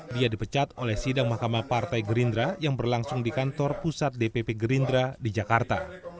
dia dipecat oleh sidang mahkamah partai gerindra yang berlangsung di kantor pusat dpp gerindra di jakarta